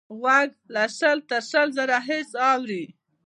غوږ له شل تر شل زره هیرټز اوري.